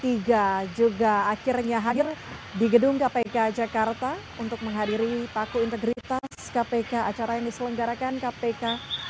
tiga juga akhirnya hadir di gedung kpk jakarta untuk menghadiri paku integritas kpk acara yang diselenggarakan kpk